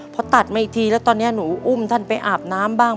พอตัดมาอีกทีแล้วตอนนี้หนูอุ้มท่านไปอาบน้ำบ้าง